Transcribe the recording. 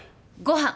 ご飯。